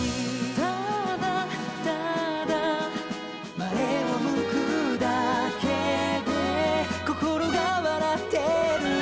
「ただ、ただ」「前を向くだけで心が笑ってる」